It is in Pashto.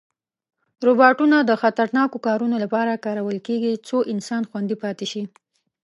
روباټونه د خطرناکو کارونو لپاره کارول کېږي، څو انسان خوندي پاتې شي.